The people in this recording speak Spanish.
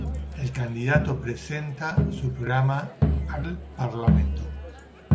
El candidato presenta su programa al Parlamento.